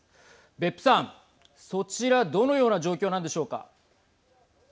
別府さんそちらどのような状況なのでしょうか。